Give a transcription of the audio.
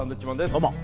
どうも。